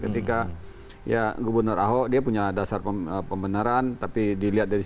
terima kasih pak gita